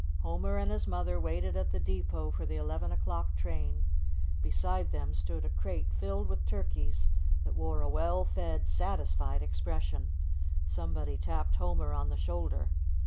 Homer and his mother waited at the depot for the 11 o'clock train. Beside them stood a crate filled with turkeys that wore a well fed, satisfied expression. Somebody tapped Homer on the shoulder.